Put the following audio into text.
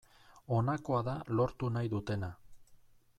Honakoa da lortu nahi dutena.